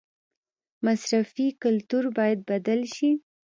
مصرفي کلتور باید بدل شي